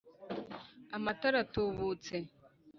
Amata aratubutse